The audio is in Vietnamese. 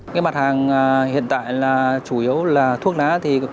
các mặt hàng hiện tại chủ yếu là thuốc lá